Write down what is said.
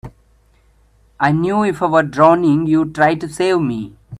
I knew if I were drowning you'd try to save me.